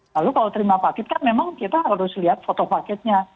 lalu kalau terima paket kan memang kita harus lihat foto paketnya